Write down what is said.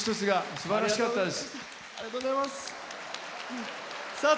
すばらしかったです。